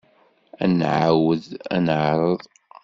Ad nɛawed ad neɛreḍ.